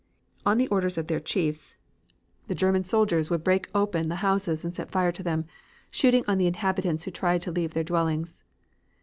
On the orders of their chiefs, the German soldiers would break open the houses and set fire to them, shooting on the inhabitants who tried to leave their dwellings.